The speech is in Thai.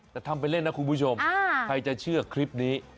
แต่ทำไปเล่นนะคุณผู้ชมใครจะเชื่อคลิปนี้